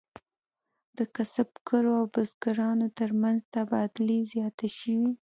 د کسبګرو او بزګرانو ترمنځ تبادلې زیاتې شوې.